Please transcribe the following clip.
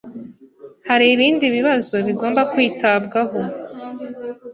Hari ibindi bibazo bigomba kwitabwaho?